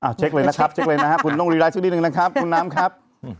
เช็คเลยนะครับเช็คเลยนะครับคุณต้องรีรายสักนิดนึงนะครับคุณน้ำครับ